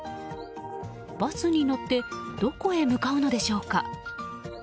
バスに乗ってどこへ向かうのでしょうか。